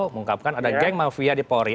mengungkapkan ada geng mafia di polri